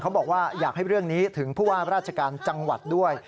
บอกว่าอยากให้เรื่องนี้ถึงผู้ว่าราชการจังหวัดด้วย